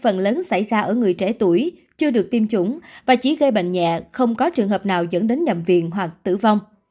phần lớn xảy ra ở người trẻ tuổi chưa được tiêm chủng và chỉ gây bệnh nhẹ không có trường hợp nào dẫn đến nhầm viện hoặc tử vong